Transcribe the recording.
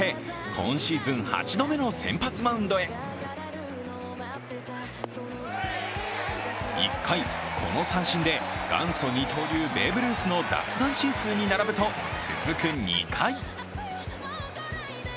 今シーズン８度目の先発マウンドへ１回、この三振で元祖二刀流ベーブ・ルースの奪三振数に並ぶと続く２回。